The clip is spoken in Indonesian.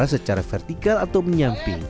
untuk membuat tanah yang lebih mudah untuk dikembangkan